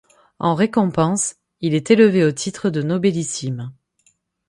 En récompense, il est élevé au titre de nobellissime.